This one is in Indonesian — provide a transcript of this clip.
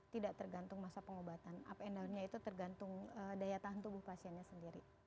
tidak tergantung masa pengobatan up and downnya itu tergantung daya tahan tubuh pasiennya sendiri